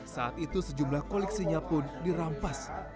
saat itu sejumlah koleksinya pun dirampas